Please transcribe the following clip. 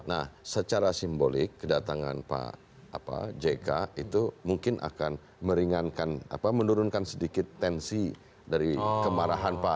nah secara simbolik kedatangan pak jk itu mungkin akan meringankan menurunkan sedikit tensi dari kemarahan pak jokowi